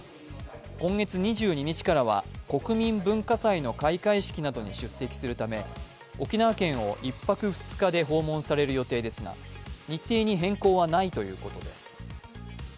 今月２２日からは国民文化祭の開会式などに出席するため沖縄県を１泊２日で訪問される予定ですが、日程に変更はないということです。